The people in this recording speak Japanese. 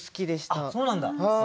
あっそうなんだ。